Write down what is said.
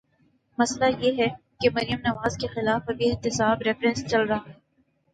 مسئلہ یہ ہے کہ مریم نواز کے خلاف بھی احتساب ریفرنس چل رہا ہے۔